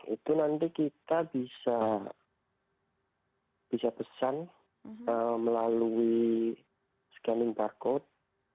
itu nanti kita bisa pesan melalui scanning barcode